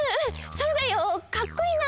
そうだよかっこいいな！